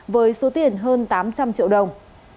với số tiền hơn tám trăm linh triệu đồng